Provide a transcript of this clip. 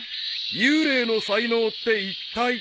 ［幽霊の才能っていったい］